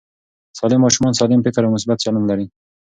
سالم ماشومان سالم فکر او مثبت چلند لري.